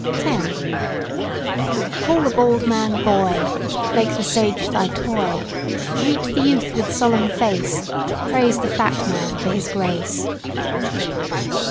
10 Call the bald man, "Boy;" make the sage thy toy; Greet the youth with solemn face; praise the fat man for his grace.